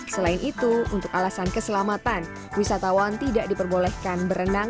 selain itu untuk alasan keselamatan wisatawan tidak diperbolehkan berenang